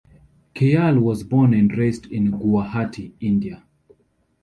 Kayal was born and raised in Guwahati, India.